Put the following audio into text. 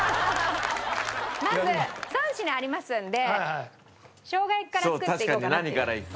まず３品ありますのでしょうが焼きから作っていこうかなって。